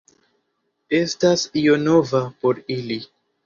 Estas io nova por ili.